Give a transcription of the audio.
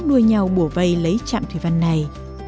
đưa nhau bổ vây lấy trạm thủy văn này